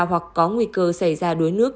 hoặc có nguy cơ xảy ra đuối nước